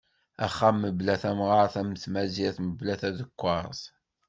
Axxam mebla tamɣert am tmazirt mebla tadekkaṛt.